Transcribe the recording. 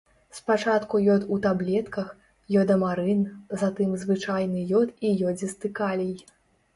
Спачатку ёд ў таблетках, ёдамарын, затым звычайны ёд і ёдзісты калій.